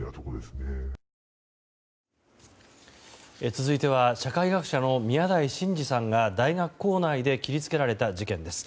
続いては社会学者の宮台真司さんが大学構内で切り付けられた事件です。